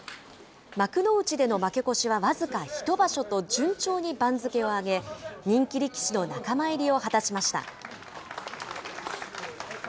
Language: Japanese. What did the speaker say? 幕内での負け越しは僅か１場所と、順調に番付を上げ、人気力士の仲間入りを果たしました。